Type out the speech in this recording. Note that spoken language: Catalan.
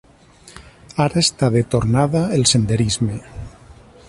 Ara està de tornada el senderisme.